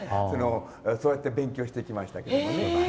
そうやって勉強してきましたね。